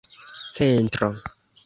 centro